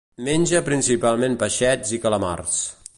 Menja principalment peixets i calamars.